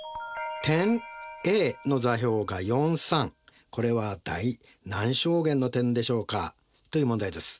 点Ａの座標がこれは第何象限の点でしょうか？という問題です。